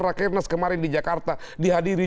rakyat nas kemarin di jakarta di hadirin